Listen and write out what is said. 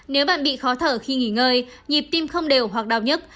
nếu bạn bị khó thở khi nghỉ ngơi nhịp tim không đều hoặc đau nhức